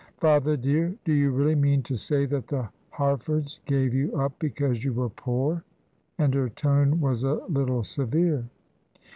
"Father, dear, do you really mean to say that the Harfords gave you up because you were poor?" and her tone was a little severe.